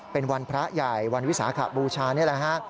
เป็นวันพระใหญ่วันวิสาขบูชานี่แหละฮะ